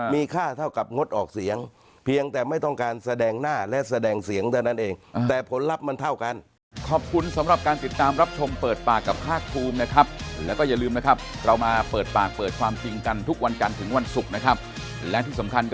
มีค่าเท่ากับงดออกเสียงเพียงแต่ไม่ต้องการแสดงหน้าและแสดงเสียงเท่านั้นเองแต่ผลลัพธ์มันเท่ากัน